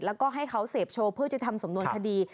แล้วก็ให้เขาเสพโชว์เพื่อจะทำสำนวนคดี